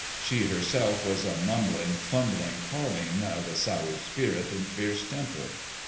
She herself was a mumbling, fumbling carline of a sour spirit and fierce temper.